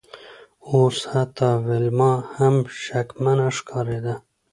اوس حتی ویلما هم شکمنه ښکاریده